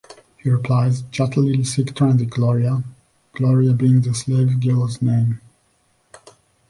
He replies "Just a little sick transit Gloria," Gloria being the slave girl's name.